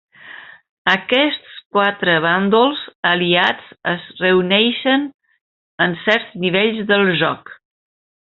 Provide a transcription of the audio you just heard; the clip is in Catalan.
Aquests quatre bàndols aliats es reuneixen en certs nivells del joc.